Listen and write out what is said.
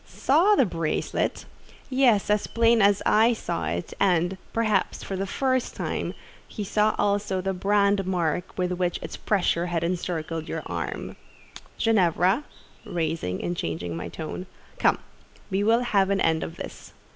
"Saw the bracelet? Yes, as plain as I saw it: and, perhaps, for the first time, he saw also the brand mark with which its pressure has encircled your arm. Ginevra" (rising, and changing my tone), "come, we will have an end of this.